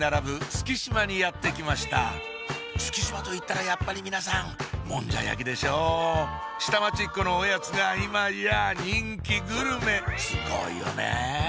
月島にやって来ました月島といったらやっぱり皆さんもんじゃ焼きでしょ下町っ子のおやつが今や人気グルメすごいよね